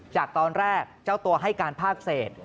จากตอนแรกเจ้าตัวให้การภาคเศษ